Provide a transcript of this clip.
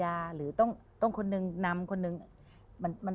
การเชื่อมนำคนอื่น